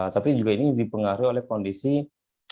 tapi juga ini dipengaruhi oleh kondisi kesehatan